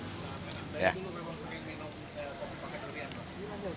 dari dulu berapa sering minum kopi pakai durian